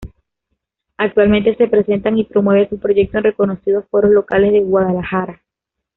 Actualmente se presentan y promueven su proyecto en reconocidos foros locales de Guadalajara.